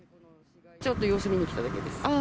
ちょっと様子見に来ただけです。